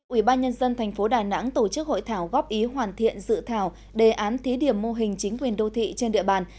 ủy ban nhân dân tp đà nẵng tổ chức hội thảo góp ý hoàn thiện dự thảo đề án thí điểm mô hình chính quyền đô thị trên địa bàn